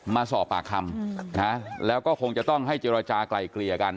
มาสอบปากคำนะแล้วก็คงจะต้องให้เจรจากลายเกลี่ยกัน